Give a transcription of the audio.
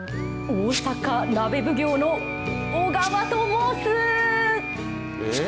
拙者、大阪鍋奉行の小川と申す。